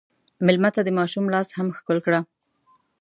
مېلمه ته د ماشوم لاس هم ښکل کړه.